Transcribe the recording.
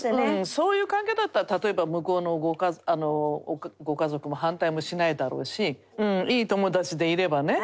そういう関係だったら例えば向こうのご家族も反対もしないだろうしいい友達でいればねうん。